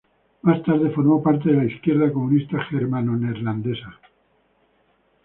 Más tarde formó parte de la izquierda comunista germano-neerlandesa.